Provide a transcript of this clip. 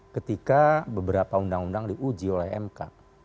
ketika beberapa undang undang diuji oleh mk